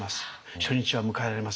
初日は迎えられません」。